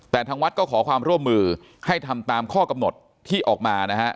แต่ทางวัดก็ขอความร่วมมือให้ทำตามข้อกำหนดที่ออกมานะฮะ